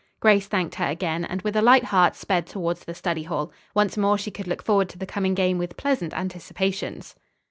Grace thanked her again, and with a light heart sped towards the study hall. Once more she could look forward to the coming game with pleasant anticipations.